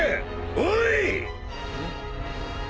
おい！